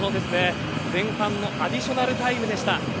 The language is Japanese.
前半のアディショナルタイムでした。